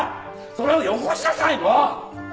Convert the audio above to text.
それをよこしなさいもう！